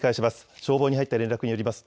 消防に入った連絡によります